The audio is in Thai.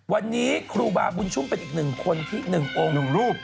วันนี้ครูบาบุญชุมเป็นอีกหนึ่งคนที่หนึ่งองค์หนึ่งรูป